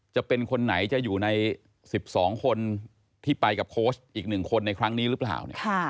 จะเป็นคนไหนจะอยู่ใน๑๒คนที่ไปกับโค้ชอีก๑คนในครั้งนี้หรือเปล่า